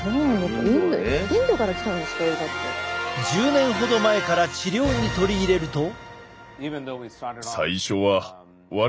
１０年ほど前から治療に取り入れると。